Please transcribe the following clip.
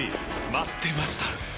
待ってました！